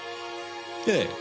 ええ。